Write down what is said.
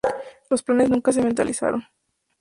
Los planes nunca se materializaron.